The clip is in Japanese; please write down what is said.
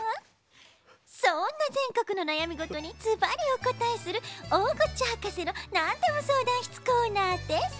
そんなぜんこくのなやみごとにズバリおこたえする「大口博士のなんでも相談室」コーナーです。